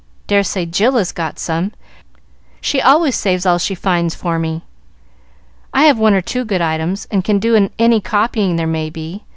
Dare say Jill has got some: she always saves all she finds for me." "I have one or two good items, and can do any copying there may be.